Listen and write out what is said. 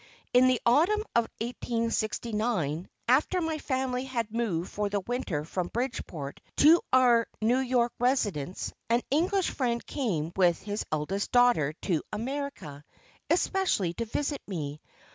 In the autumn of 1869, after my family had moved for the winter from Bridgeport to our New York residence, an English friend came with his eldest daughter to America especially to visit me.